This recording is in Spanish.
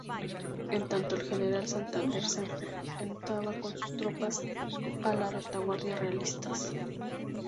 En tanto el general Santander se enfrentaba con sus tropas a la retaguardia realista.